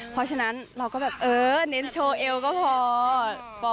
เพราะฉะนั้นเราก็แบบเออเน้นโชว์เอลก็พอ